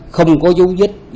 không có dấu viết